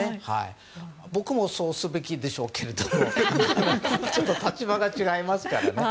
僕もそうすべきでしょうけどちょっと立場が違いますからね。